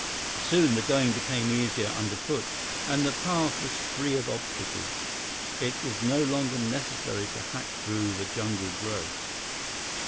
Soon, the going became easier underfoot, and the path was free of obstacles. It was no longer necessary to hack through the jungle growth.